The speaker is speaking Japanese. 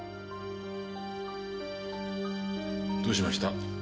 どうしました？